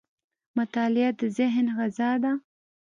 • مطالعه د ذهن غذا ده.